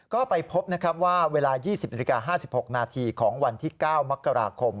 ก็ไปพบนะครับว่าเวลา๒๐นาฬิกา๕๖นาทีของวันที่๙มกราคม